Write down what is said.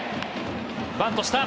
バントした。